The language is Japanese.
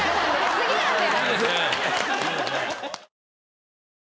次なんで！